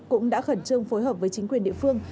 cũng đã khẩn trương phối hợp với chính quyền địa phương